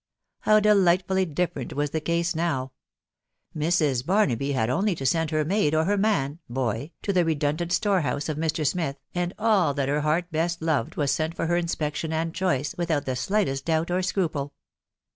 How delightfully different was the case now !•••• Mrs. Barnaby had only to send her maid or her man (boy) to the redundant storehouse of Mr. Smith, and all that her heart best loved was sent for her inspection and choice, without the slighest doubt or scruple.